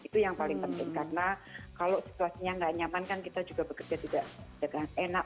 itu yang paling penting karena kalau situasinya nggak nyaman kan kita juga bekerja tidak enak